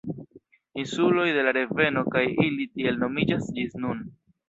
Insuloj de la reveno kaj ili tiel nomiĝas ĝis nun.